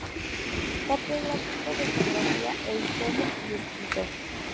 Catedrático de Geografía e Historia y escritor.